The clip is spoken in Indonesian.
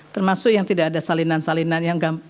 termasuk yang tidak ada salinan salinan yang